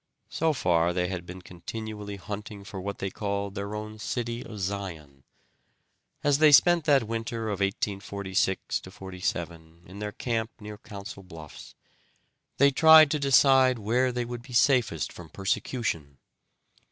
So far they had been continually hunting for what they called their own City of Zion. As they spent that winter of 1846 47 in their camp near Council Bluffs, they tried to decide where they would be safest from persecution.